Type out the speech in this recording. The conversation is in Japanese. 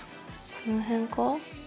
この辺かな？